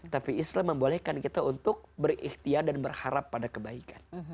tapi islam membolehkan kita untuk berikhtiar dan berharap pada kebaikan